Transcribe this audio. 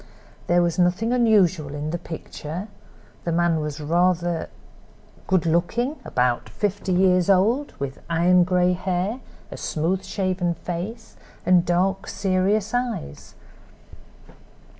There was nothing unusual in the picture; the man was evidently rather good looking, about fifty years old, with iron gray hair, a smooth shaven face and dark, serious eyes.